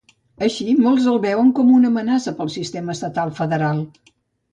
Així, molts el veuen com una amenaça pel sistema estatal federal.